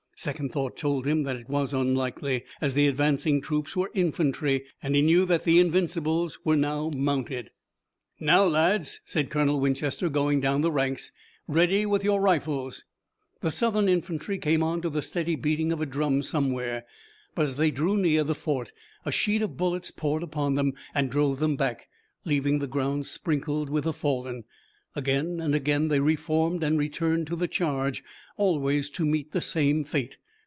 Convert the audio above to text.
Second thought told him that it was unlikely, as the advancing troops were infantry, and he knew that the Invincibles were now mounted. "Now, lads," said Colonel Winchester, going down the ranks, "ready with your rifles!" The Southern infantry came on to the steady beating of a drum somewhere, but as they drew near the fort a sheet of bullets poured upon them, and drove them back, leaving the ground sprinkled with the fallen. Again and again they reformed and returned to the charge always to meet the same fate.